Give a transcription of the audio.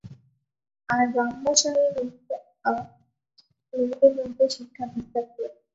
আর ব্রহ্মচারিণীরা মেয়েদের মধ্যে শিক্ষা বিস্তার করবে।